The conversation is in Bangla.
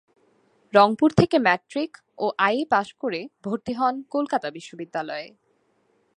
রংপুর থেকে ম্যাট্রিক ও আইএ পাস করে ভর্তি হন কলকাতা বিশ্ববিদ্যালয়ে।